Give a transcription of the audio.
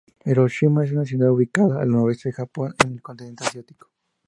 Hiroshima es una ciudad ubicada al noreste de Japón en el continente Asiático.